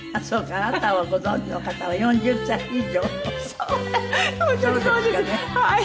あなたをご存じの方は４０歳以上？